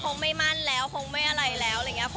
คงไม่มั่นแล้วคงไม่อะไรแล้วอะไรอย่างนี้